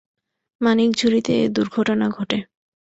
মানিকঝুড়িতে এ দুর্ঘটনা ঘটে।